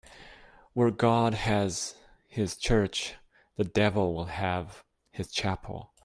Where God has his church, the devil will have his chapel.